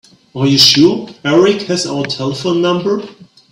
Are you sure Erik has our telephone number?